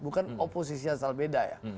bukan oposisi yang salah beda ya